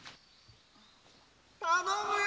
頼むよ！